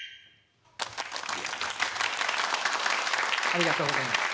ありがとうございます。